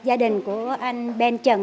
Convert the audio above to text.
anh ben trần